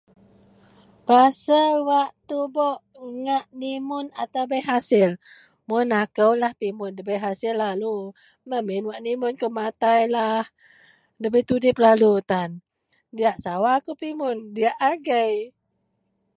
pasel wak tubuk ngak nimun atau bei hasil, mun akoulah pimun dabei hasil lalu, memin wak nimun kou matailah, debei tudip lalu tan, diak sawa kou pimun diak agei.